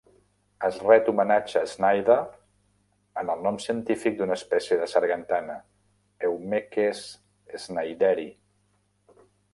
Es ret homenatge a Schneider en el nom científic d'una espècie de sargantana, "Eumeces schneideri".